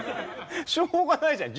しょうがないじゃん。